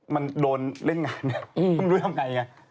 มันโดนเล่นงานมันดูทำยังไง